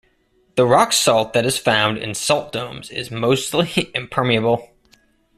The rock salt that is found in salt domes is mostly impermeable.